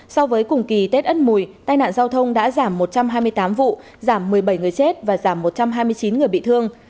so với cùng kỳ tết ất mùi tai nạn giao thông đã giảm một trăm hai mươi tám vụ giảm một mươi bảy người chết và giảm một trăm hai mươi chín người bị thương